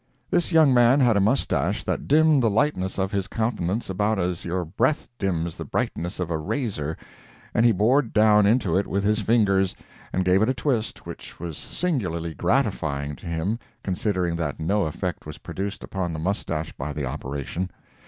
This young man had a moustache that dimmed the lightness of his countenance about as your breath dims the brightness of a razor; and he bored down into it with his fingers, and gave it a twist which was singularly gratifying to him, considering that no effect was produced upon the moustache by the operation.